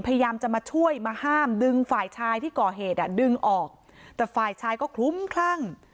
พยายามจะมาช่วยมาห้ามดึงฝ่ายชายที่ก่อเหตุอ่ะดึงออกแต่ฝ่ายชายก็คลุ้มคลั่ง